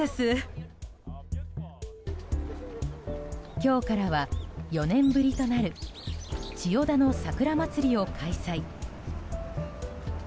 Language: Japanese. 今日からは、４年ぶりとなる千代田のさくらまつりを開催。